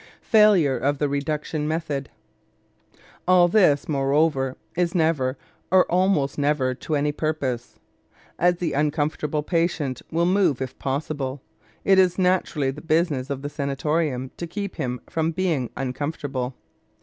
FAILURE OF THE REDUCTION METHOD All this, moreover, is never, or almost never, to any purpose. As the uncomfortable patient will move if possible, it is naturally the business of the sanatorium to keep him from being uncomfortable.